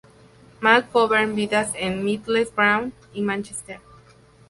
McGovern Vidas en Middlesbrough y Mánchester.